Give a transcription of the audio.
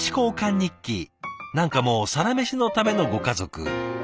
何かもう「サラメシ」のためのご家族。